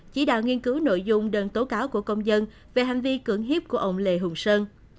chỉ đạo nghiên cứu nội dung đơn tố cáo của công dân về hành vi cưỡng hiếp của ông lê hùng sơn